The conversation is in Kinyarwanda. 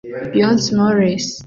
Beyonce Knowles